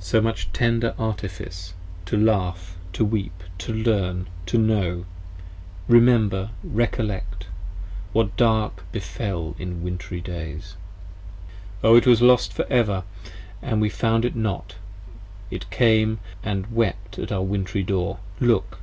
so much 65 Tender artifice! to laugh, to weep, to learn, to know: 25 Remember! recollect! what dark befel in wintry days. O it was lost for ever! and we found it not: it came And wept at our wintry Door: Look!